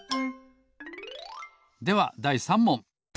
ではだい３もん。